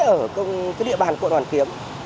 ở địa bàn quận hoàn kiếm